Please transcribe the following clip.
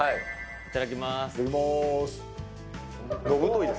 いただきます。